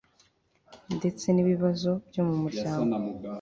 ndetse n ibibazo byo mu muryango